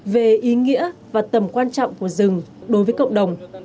về ý nghĩa và tầm quan trọng của rừng đối với cộng đồng